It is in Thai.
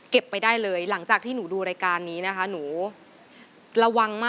ขอบคุณครับ